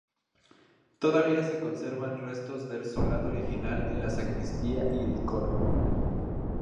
Todavía se conservan restos del solado original en la sacristía y el coro.